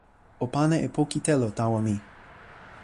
o pana e poki telo tawa mi.